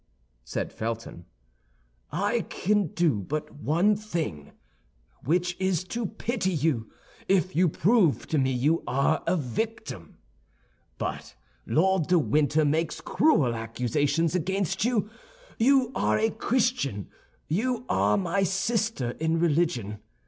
said Felton, "I can do but one thing, which is to pity you if you prove to me you are a victim! But Lord de Winter makes cruel accusations against you. You are a Christian; you are my sister in religion.